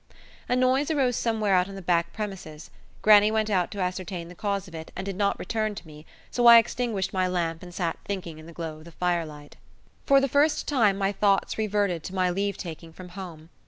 A noise arose somewhere out in the back premises. Grannie went out to ascertain the cause of it and did not return to me, so I extinguished my lamp and sat thinking in the glow of the firelight. For the first time my thoughts reverted to my leave taking from home.